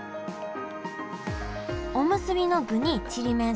おむすびの具にちりめん